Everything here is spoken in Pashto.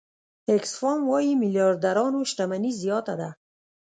آکسفام وايي میلیاردرانو شتمني زیاته ده.